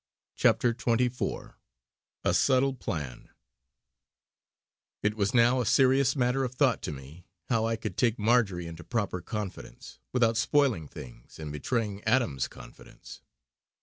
CHAPTER XXIV A SUBTLE PLAN It was now a serious matter of thought to me how I could take Marjory into proper confidence, without spoiling things and betraying Adams's confidence.